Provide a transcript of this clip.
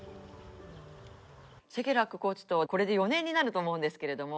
シェケラックコーチとこれで４年になると思うんですけども。